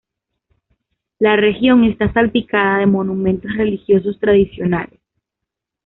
La región está salpicada de monumentos religiosos tradicionales.